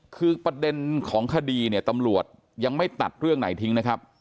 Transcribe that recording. คือประเด็นของคดีเนี่ยตำรวจยังไม่ตัดเรื่องไหนทิ้งนะครับ